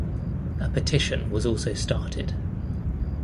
A petition was also started.